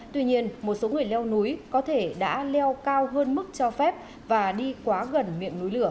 tuy nhiên một số người leo núi có thể đã leo cao hơn mức cho phép và đi quá gần miệng núi lửa